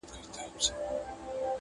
o چي په ناز لوئېږي، په زيار زړېږي!